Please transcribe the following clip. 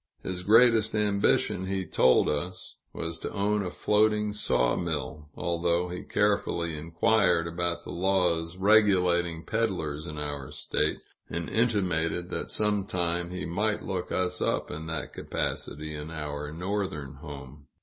His greatest ambition, he told us, was to own a floating sawmill; although he carefully inquired about the laws regulating peddlers in our State, and intimated that sometime he might look us up in that capacity, in our Northern home.